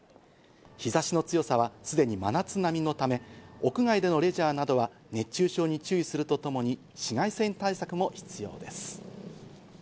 日差しの強さはすでに真夏並みのため、屋外でのレジャーなどは熱中症に注意するとともに紫外線対策も必要です。